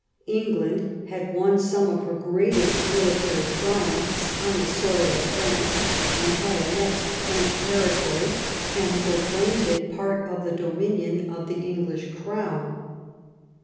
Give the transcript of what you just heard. England had won some of her greatest military triumphs on the soil of France, and had annexed French territory and proclaimed it part of the dominion of the English crown.